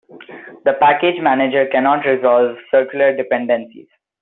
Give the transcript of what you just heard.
The package manager cannot resolve circular dependencies.